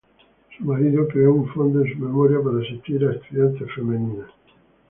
Su marido creó un fondo en su memoria para asistir a estudiantes femeninas.